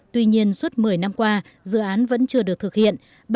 tuy nhiên suốt một mươi năm qua dự án vẫn chưa được thực hiện